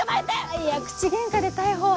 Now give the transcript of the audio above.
いや口げんかで逮捕は。